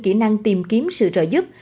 kỹ năng tìm kiếm sự trợ giúp